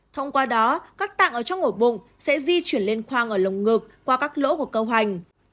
thông qua đó các tạng ở trong ngủ bụng sẽ di chuyển lên khoang ở lồng ngực qua các lỗ của cơ hoành